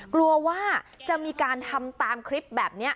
กลัวว่าจะมีการทำตามคลิปแบบนี้